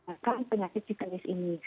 oleh penyakit psikologis ini